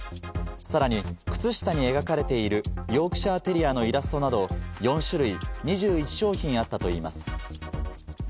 さらに靴下に描かれているヨークシャーテリアのイラストなど、４種類２１商品あったといいます。